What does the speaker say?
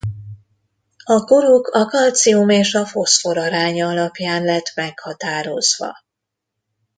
A koruk a kalcium és a foszfor aránya alapján lett meghatározva.